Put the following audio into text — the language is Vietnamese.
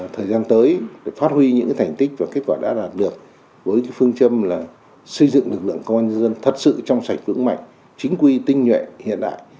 thời gian tới để phát huy những thành tích và kết quả đã đạt được với phương châm là xây dựng lực lượng công an dân thật sự trong sạch vững mạnh chính quy tinh nhuệ hiện đại